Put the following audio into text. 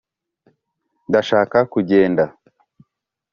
ndashaka kugenda